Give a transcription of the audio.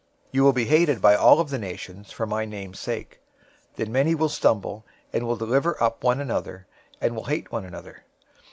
You will be hated by all of the nations for my name's sake. 024:010 Then many will stumble, and will deliver up one another, and will hate one another.